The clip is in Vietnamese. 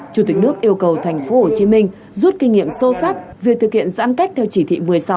chủ tịch nước yêu cầu tp hcm rút kinh nghiệm sâu sắc việc thực hiện giãn cách theo chỉ thị một mươi sáu